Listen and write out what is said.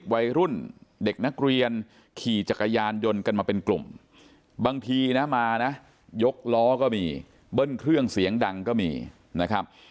บางทีนะมานะยกล้อก็มีเบิ้ลเครื่องเสียงดังก็มีนะครับ